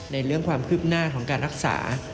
ในเรื่องความคืบหน้าของการรักษา